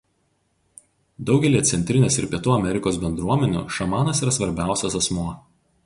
Daugelyje Centrinės ir Pietų Amerikos bendruomenių šamanas yra svarbiausias asmuo.